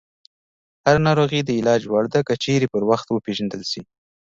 هره ناروغي د علاج وړ ده، که چیرې پر وخت وپېژندل شي.